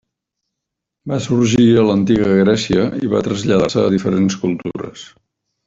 Va sorgir a l'antiga Grècia i va traslladar-se a diferents cultures.